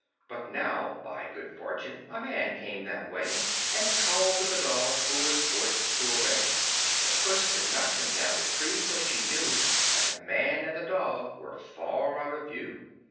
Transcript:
But now, by good fortune, a man came that way, And called to the dog, who was forced to obey; But Puss did not come down the tree till she knew That the man and the dog were far out of view.